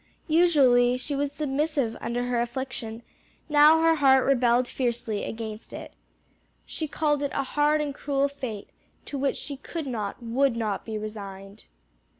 Usually she was submissive under her affliction; now her heart rebelled fiercely against it. She called it a hard and cruel fate, to which she could not, would not be resigned.